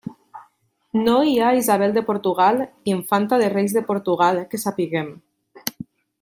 No hi ha Isabel de Portugal Infanta de Reis de Portugal que sapiguem.